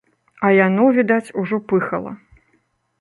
А яно, відаць, ужо пыхала.